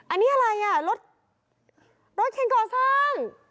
อันนี้อะไรอ่ะรถรถเคนก่อสร้าง